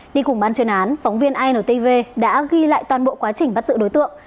đi cùng ban chuyên án phóng viên intv đã ghi lại toàn bộ quá trình bắt giữ đối tượng